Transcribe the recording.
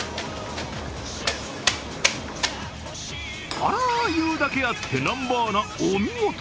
あら、言うだけあって南波アナお見事。